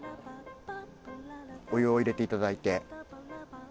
お湯を入れて頂いて。